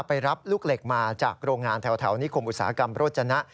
ไปรับลูกเหล็กมาจากโรงงานแถวนิคมอุตสาหกรรมโรจนะ